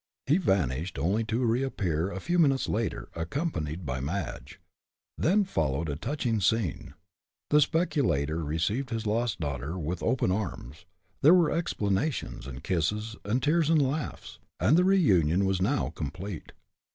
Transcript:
He vanished, only to reappear a few minutes later, accompanied by Madge. Then followed a touching scene. The speculator received his lost daughter with open arms; there were explanations, and kisses, and tears, and laughs, and the reunion was now complete.